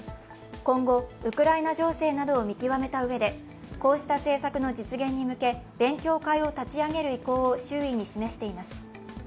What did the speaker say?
今後、ウクライナ情勢などを見極めたうえでこうした政策の実現に向け勉強会を立ち上げる意向を周囲に示しています。